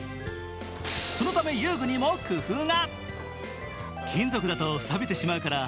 そのため、遊具にも工夫が。